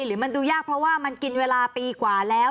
หรือมันดูยากเพราะว่ามันกินเวลาปีกว่าแล้ว